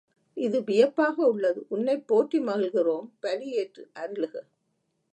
இது வியப்பாக உள்ளது உன்னைப் போற்றி மகிழ்கிறோம் பலி ஏற்று அருளுக.